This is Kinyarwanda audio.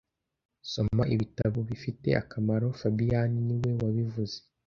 Soma ibitabo bifite akamaro fabien niwe wabivuze